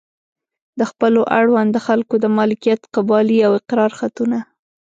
د خپلو اړونده خلکو د مالکیت قبالې او اقرار خطونه.